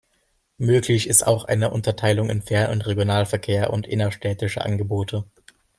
Möglich ist auch eine Unterteilung in Fern- und Regionalverkehr und innerstädtische Angebote.